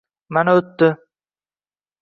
Mana, oʻtdi